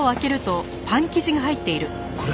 これ。